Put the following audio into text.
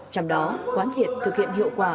trong đó quán triển thực hiện hiệu quả